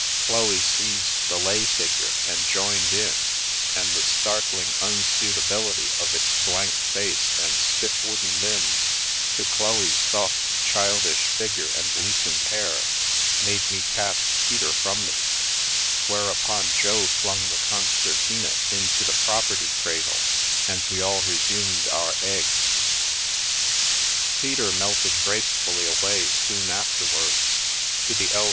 Chloe seized the lay figure and joined in, and the startling unsuitabil ity of its blank face and stiff wooden limbs to Chloe's soft childish figure and loosened hair, made me cast Peter from me; whereupon Jo flung the concertina into the property cradle, and we all resumed our eggs. Peter melted gracefully away soon afterwards, to the L.